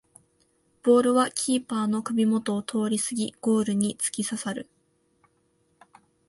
ボールはキーパーの首もとを通りすぎゴールにつきささる